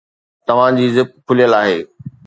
توهان جي زپ کليل آهي